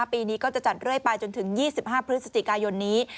ปีนี้ก็จะจัดเรื่อยไปจนถึง๒๕พฤศจิกายนนี้